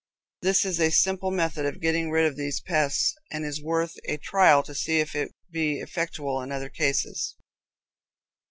This is a simple method of getting rid of these pests, and is worth a trial to see if it be effectual in other cases.